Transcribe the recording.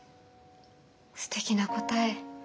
すてきな答え。